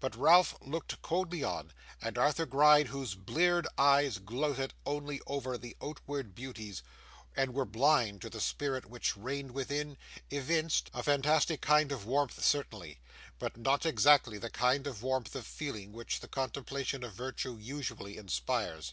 But Ralph looked coldly on; and Arthur Gride, whose bleared eyes gloated only over the outward beauties, and were blind to the spirit which reigned within, evinced a fantastic kind of warmth certainly, but not exactly that kind of warmth of feeling which the contemplation of virtue usually inspires.